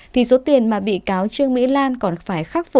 thì số tiền mà bị cáo trương mỹ lan còn phải khắc phục